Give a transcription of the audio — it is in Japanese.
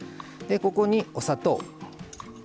ここにお砂糖。